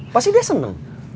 pasti dia seneng